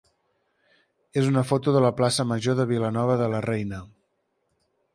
és una foto de la plaça major de Vilanova de la Reina.